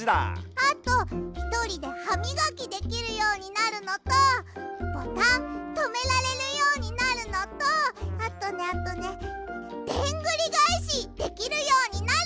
あとひとりでハミガキできるようになるのとボタンとめられるようになるのとあとねあとねでんぐりがえしできるようになる！